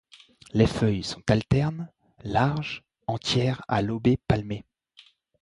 Les feuilles sont alternes, larges, entières à lobées palmées.